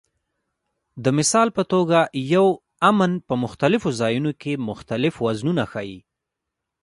د مثال په توګه یو "امن" په مختلفو ځایونو کې مختلف وزنونه ښيي.